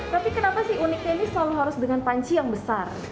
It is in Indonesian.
tapi kenapa sih uniknya ini selalu harus dengan panci yang besar